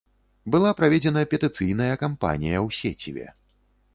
Была праведзена петыцыйная кампанія ў сеціве.